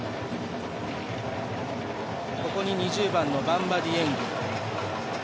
ここに２０番のバンバ・ディエング。